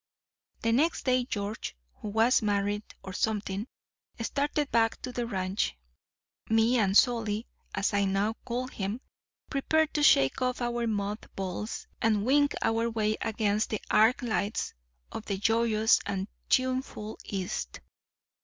"The next day George, who was married or something, started back to the ranch. Me and Solly, as I now called him, prepared to shake off our moth balls and wing our way against the arc lights of the joyous and tuneful East.